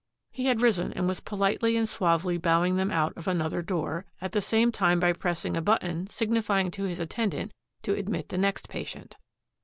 He had risen and was politely and suavely bowing them out of another door, at the same time by pressing a button signifying to his attendant to admit the next patient.